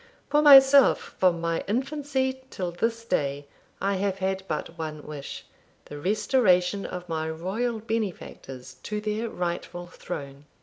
For myself, from my infancy till this day I have had but one wish the restoration of my royal benefactors to their rightful throne.